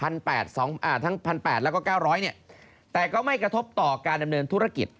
๑๘๐๐แล้วก็๙๐๐เนี่ยแต่ก็ไม่กระทบต่อการดำเนินธุรกิจ